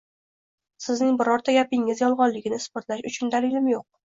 Sizning birorta gapingiz yolg`onligini isbotlash uchun dalilim yo`q